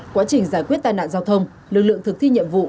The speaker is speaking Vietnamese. quá trình giải quyết tai nạn giao thông lực lượng thực thi nhiệm vụ